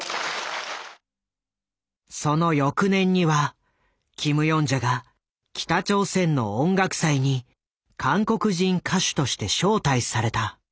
その翌年にはキム・ヨンジャが北朝鮮の音楽祭に韓国人歌手として招待された。